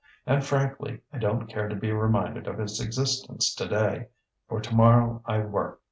And frankly, I don't care to be reminded of its existence today; for tomorrow I work...."